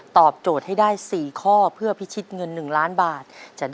โจทย์ให้ได้๔ข้อเพื่อพิชิตเงิน๑ล้านบาท